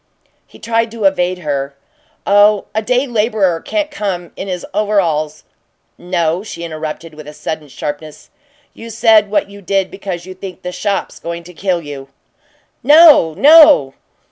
He tried to evade her. "Oh, a day laborer can't come in his overalls " "No," she interrupted, with a sudden sharpness. "You said what you did because you think the shop's going to kill you." "No, no!"